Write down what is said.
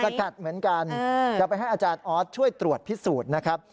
สกัดเหมือนกันจะไปให้อาจารย์ออสช่วยตรวจพิสูจน์นะครับ